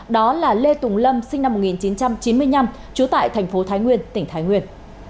đó là lê tùng lâm sinh năm một nghìn chín trăm chín mươi năm trú tại thành phố thái nguyên tỉnh thái nguyên